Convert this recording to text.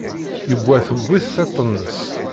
Yuba tewwi-t tiṭ-nnes.